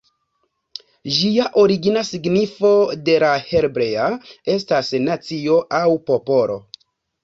Ĝia origina signifo de la hebrea estas "nacio" aŭ "popolo".